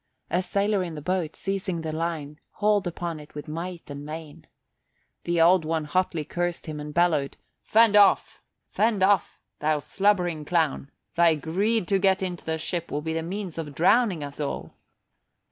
A sailor in the boat, seizing the line, hauled upon it with might and main. The Old One hotly cursed him, and bellowed, "Fend off, fend off, thou slubbering clown! Thy greed to get into the ship will be the means of drowning us all."